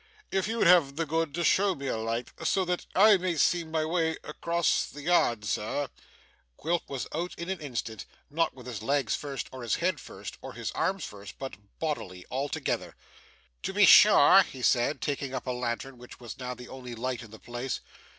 'If you'd have the goodness to show me a light, so that I may see my way across the yard, sir ' Quilp was out in an instant; not with his legs first, or his head first, or his arms first, but bodily altogether. 'To be sure,' he said, taking up a lantern, which was now the only light in the place.